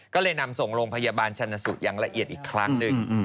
ก็เลยนำส่งโรงพยาบาลชนสูตรอย่างละเอียดอีกครั้งหนึ่ง